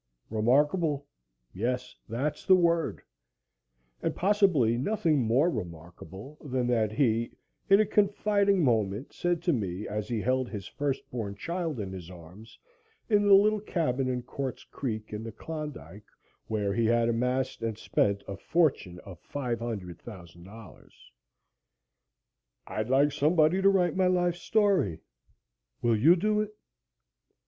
Remarkable? Yes that's the word and possibly nothing more remarkable than that he, in a confiding moment said to me as he held his first born child in his arms in the little cabin on Quartz Creek, in the Klondike, where he had amassed and spent a fortune of $500,000: "I'd like somebody to write my life story. Will you do it?"